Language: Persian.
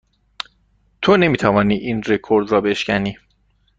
تو نمی توانی این رکورد را بشکنی.